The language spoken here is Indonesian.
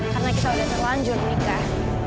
karena kita udah terlanjur nikah